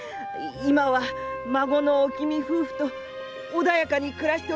今は孫のおきみ夫婦と穏やかに暮らしております